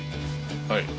はい。